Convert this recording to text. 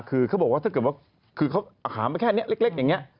คือเขาบอกว่าคือของแค่เล็กอย่างนี้